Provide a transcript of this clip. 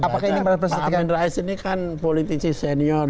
pak amin rais ini kan politisi senior